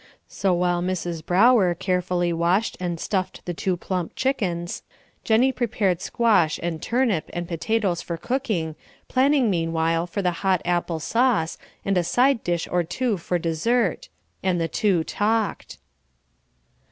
So while Mrs. Brower carefully washed and stuffed the two plump chickens, Jennie prepared squash, and turnip, and potatoes for cooking, planning meanwhile for the hot apple sauce, and a side dish or two for dessert, and the two talked.